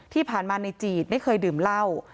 ที่ผ่านมาในจีดไม่เคยดื่มเหล้า